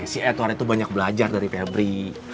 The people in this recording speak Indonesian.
si edward itu banyak belajar dari febri